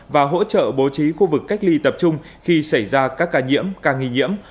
và hỗ trợ bố trí khu vực cách ly tập trung khi xảy ra các ca nhiễm ca nghi nhiễm